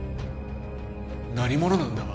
何者なんだ？